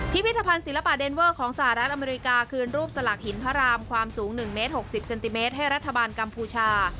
พิพิธภัณฑ์ศิลปะเดนเวอร์ของสหรัฐอเมริกาคืนรูปสลักหินพระรามความสูง๑เมตร๖๐เซนติเมตรให้รัฐบาลกัมพูชา